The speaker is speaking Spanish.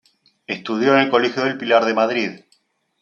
Estudió en el Colegio del Pilar de Madrid.